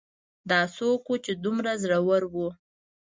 دا څوک و چې دومره زړور و